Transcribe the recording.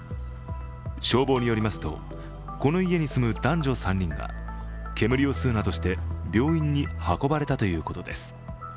消防によりますとこの家に住む男女３人が煙を吸うなどして病院に運ばれたということです。